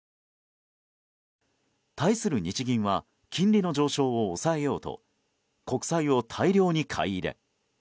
対する日銀は金利の上昇を抑えようと国債を大量に買い入れ。